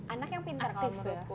anak yang pintar kalau menurutku